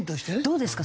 どうですか？